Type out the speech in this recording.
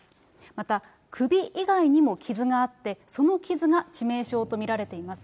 また首以外にも傷があって、その傷が致命傷と見られています。